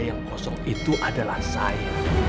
yang kosong itu adalah saya